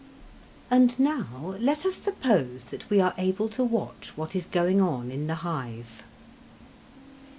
And now let us suppose that we are able to watch what is going on in the hive.